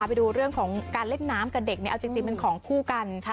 ไปดูเรื่องของการเล่นน้ำกับเด็กเอาจริงเป็นของคู่กัน